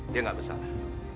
dia tidak bersalah